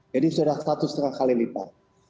jadi sudah satu setengah kali lipat